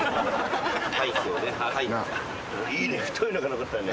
いいね太いのが残ったね。